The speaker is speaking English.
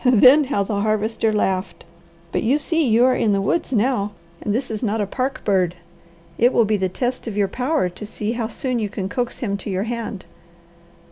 Then how the Harvester laughed. "But you see you are in the woods now, and this is not a park bird. It will be the test of your power to see how soon you can coax him to your hand."